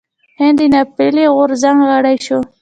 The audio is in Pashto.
هند د ناپیيلي غورځنګ غړی شو.